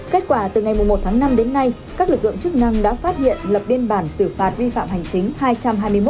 kết quả từ ngày một tháng năm đến nay các lực lượng chức năng đã phát hiện lập đên bản xử phạt vi phạm hành chính